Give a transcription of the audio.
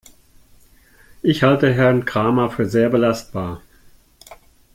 Ich halte Herrn Kramer für sehr belastbar.